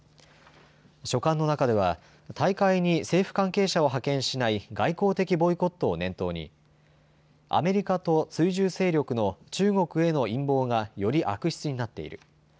書簡の中では大会に政府関係者を派遣しない外交的ボイコットを念頭にアメリカと追従勢力の中国への陰謀がより悪質になっている。